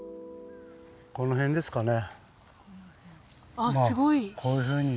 この辺ですかね。